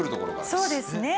そうですね。